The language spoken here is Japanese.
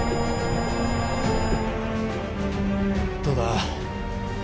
どうだ？